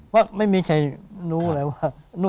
ว่าไม่มีใครรู้เลยว่า